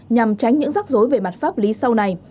nhằm tránh những rắc rối về mặt pháp lý sau này